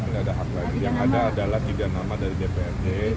tidak ada hak lagi yang ada adalah tiga nama dari dprd